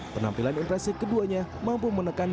penampilan impresi keduanya mampu menekankan